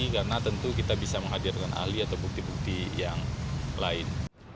karena tentu kita bisa menghadirkan ahli atau bukti bukti yang lain